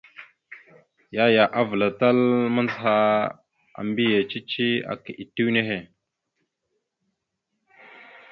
Yaya avəlatal mandzəha a mbiyez cici aka itew nehe.